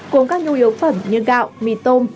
cuốn các nhu yếu phẩm như gạo mì tôm